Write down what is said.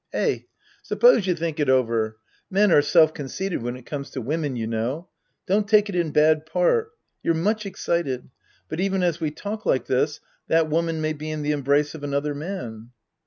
Eh. Suppose you think it over. Men are self conceitea when it comes to women, you know. Don't take it in bad part. You're much excited. But even as we talk like this, that woman may be in the embrace of another man.